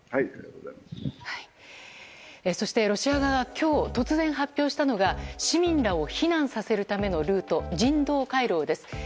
そしてロシア側は今日突然、発表したのが市民らを避難させるためのルート人道回廊です。